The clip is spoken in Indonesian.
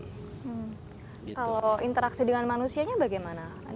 kalau interaksi dengan manusianya bagaimana